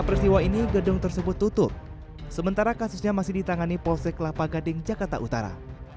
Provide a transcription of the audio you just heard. peristiwa ini gedung tersebut tutup sementara kasusnya masih ditangani polsek lapagading jakarta